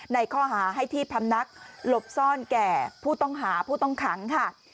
ในข้อหาให้ที่พำนักหลบซ่อนแก่ผู้ต้องหาผู้ต้องขังค่ะ